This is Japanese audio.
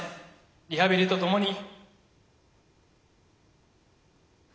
リハビリとともに。